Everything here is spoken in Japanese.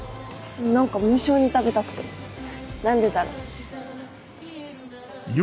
何か無性に食べたくて何でだろう？